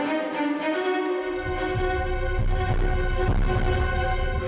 taufan kenal papa